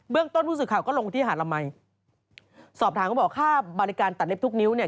เบื้องต้นรู้สึกข่าวก็ลงที่หาระมัยสอบถามเขาบอกว่าค่าบริการตัดเล็บทุกนิ้วเนี่ย